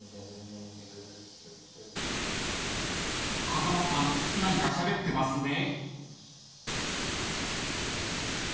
［風間さん何かしゃべってますね？］